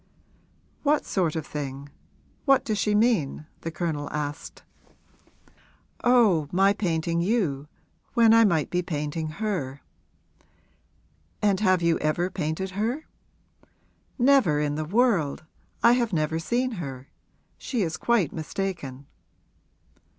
'What sort of thing what does she mean?' the Colonel asked. 'Oh, my painting you, when I might be painting her.' 'And have you ever painted her?' 'Never in the world; I have never seen her. She is quite mistaken.'